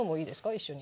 一緒に。